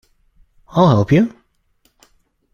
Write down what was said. I'll help you.